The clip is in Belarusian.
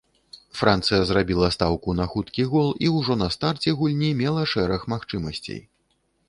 Францыя зрабіла стаўку на хуткі гол і ўжо на старце гульні мела шэраг магчымасцей.